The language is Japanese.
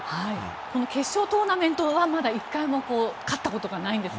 この決勝トーナメントはまだ１回も勝ったことがないんです